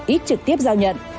ít trực tiếp giao nhận